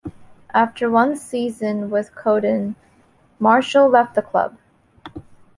After one season with Cowden, Marshall left the club.